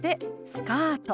「スカート」。